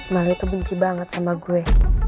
malio itu benci banget sama gue